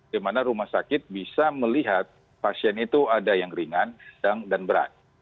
di mana rumah sakit bisa melihat pasien itu ada yang ringan dan berat